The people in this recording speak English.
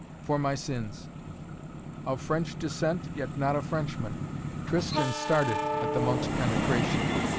"For my sins " "Of French descent, yet not a Frenchman " Tristan started at the monk's penetration.